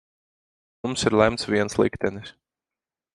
Mums ir lemts viens liktenis.